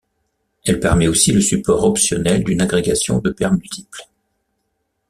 Elle permet aussi le support optionnel d'une agrégation de paires multiples.